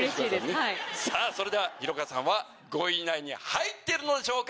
それでは寛香さんは５位以内に入ってるのでしょうか